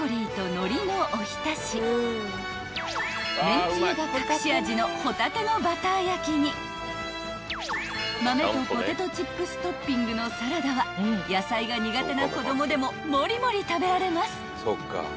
［麺つゆが隠し味のホタテのバター焼きに豆とポテトチップストッピングのサラダは野菜が苦手な子供でももりもり食べられます］